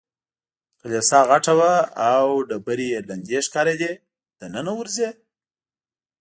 کلیسا غټه وه او ډبرې یې لندې ښکارېدې، دننه ورځې؟